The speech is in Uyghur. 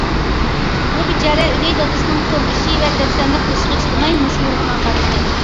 ئۇ بىچارە ئۆگەي دادىسىنىڭ خورلىشى ۋە دەپسەندە قىلىشىغا چىدىماي مۇشۇ يولغا ماڭغان ئىكەن.